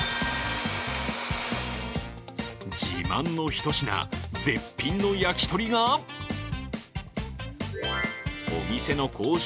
自慢のひと品、絶品の焼鳥がお店の公式